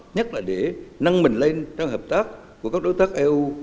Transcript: nhất là để năng mình lên trong hợp tác của các đối tác eu